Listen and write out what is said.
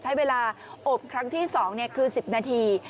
ใช้เวลาอบครั้งที่๒คือ๑๐นาที